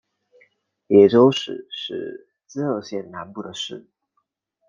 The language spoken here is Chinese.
野洲市是滋贺县南部的市。